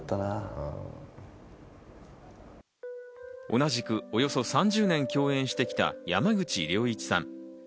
同じく、およそ３０年共演してきた山口良一さん。